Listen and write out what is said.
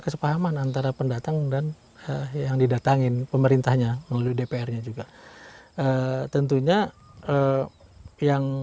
kesepahaman antara pendatang dan yang didatangin pemerintahnya melalui dpr nya juga tentunya yang